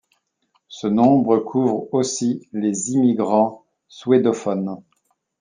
Ce nombre couvre aussi les immigrants suédophones.